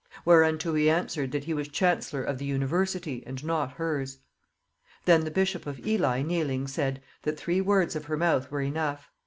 Whereunto he answered, that he was chancellor of the university, and not hers. Then the bishop of Ely kneeling said, that three words of her mouth were enough."